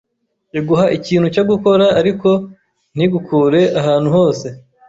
iguha ikintu cyo gukora ariko ntigukure ahantu hose.